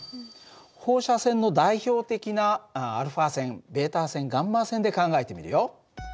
放射線の代表的なα線β線γ線で考えてみるよ。